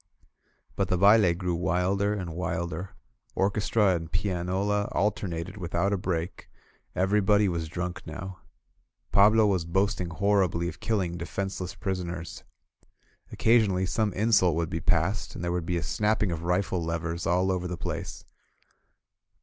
But the baUe grew wilder and wilder. Orchestra and pianola alternated without a break. Everybody was drunk now. Pablo was boasting horribly of killing defenseless prisoners. Occasionally, some insult would be passed, and there would be a snapping of rifle levers all over the place.